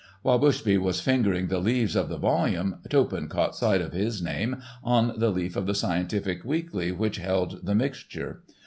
While Bushby was fingering the leaves of the volume, Toppan caught sight of his name on the leaf of the Scientific Weekly which held the mixture.